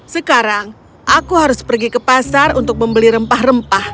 sekarang aku harus pergi ke pasar untuk membeli rempah rempah